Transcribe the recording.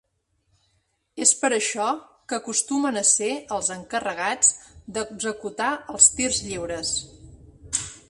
És per això que acostumen a ser els encarregats d'executar els tirs lliures.